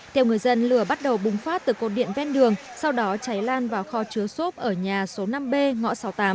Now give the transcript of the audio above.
theo người dân lửa bắt đầu bùng phát từ cột điện ven đường sau đó cháy lan vào kho chứa xốp ở nhà số năm b ngõ sáu mươi tám